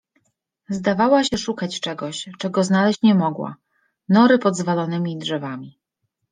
Zdawała się szukać czegoś, czego znaleźć nie mogła. Nory pod zwalonymi drzewami